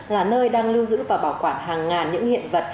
là nơi đang lưu giữ và bảo quản hàng ngàn những hiện vật